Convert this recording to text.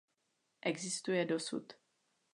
Existuje dosud.